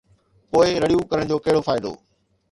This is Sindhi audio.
پوءِ رڙيون ڪرڻ جو ڪهڙو فائدو؟